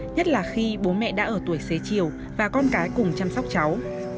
nhất là khi bố mẹ đã ở tuổi xế chiều và con cái cùng chăm sóc cháu